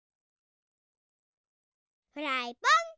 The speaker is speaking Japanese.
フライパン。